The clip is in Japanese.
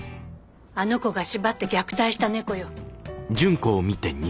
あの子が縛って虐待した猫よ。